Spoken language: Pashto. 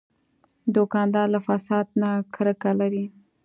دوکاندار له فساد نه کرکه لري.